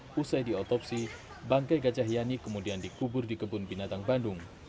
pusai diotopsi bangkai gajah yani kemudian dikubur di kebun binatang bandung